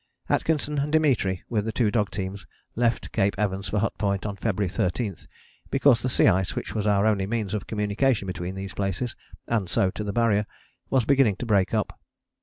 Atkinson and Dimitri with the two dog teams left Cape Evans for Hut Point on February 13 because the sea ice, which was our only means of communication between these places, and so to the Barrier, was beginning to break up.